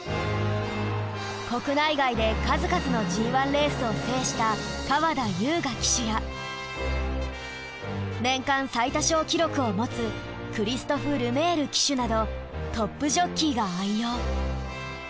国内外で数々のＧⅠレースを制した川田将雅騎手や年間最多勝記録を持つクリストフ・ルメール騎手などトップジョッキーが愛用。